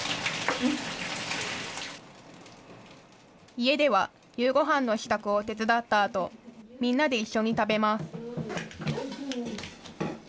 家では夕ごはんの支度を手伝ったあと、みんなで一緒に食べます。